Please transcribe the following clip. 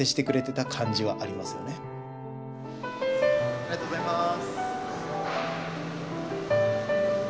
ありがとうございます。